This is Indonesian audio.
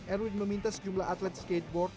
erwin meminta sejumlah atlet skateboard